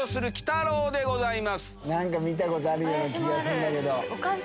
何か見たことあるような気がするんだけど。